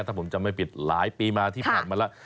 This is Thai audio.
ถ้าผมจำไม่ผิดหลายปีมาที่ผ่านมาแล้ว